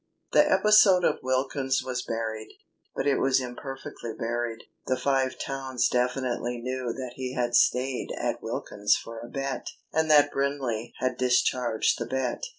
The episode of Wilkins's was buried, but it was imperfectly buried. The Five Towns definitely knew that he had stayed at Wilklns's for a bet, and that Brindley had discharged the bet.